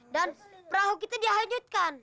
dan perahu kita dihanyutkan